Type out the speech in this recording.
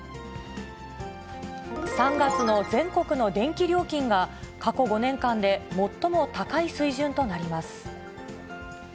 ３月の全国の電気料金が過去５年間で最も高い水準となります。